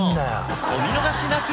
お見逃しなく！